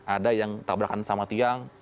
ada yang tabrakan sama tiang